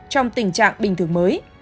trong tình trạng bình thường mới